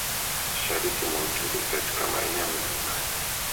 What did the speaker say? Mashariki mwa Uturuki katika maeneo ya milimani